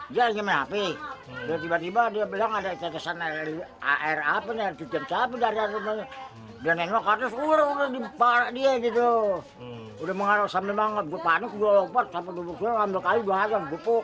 ular dianggap sangat berbahaya dan kerap berkeliaran di sekitar permukiman warga